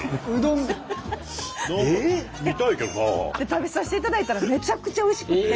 食べさせていただいたらめちゃくちゃおいしくて。